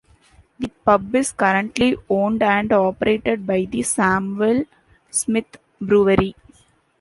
The pub is currently owned and operated by the Samuel Smith Brewery.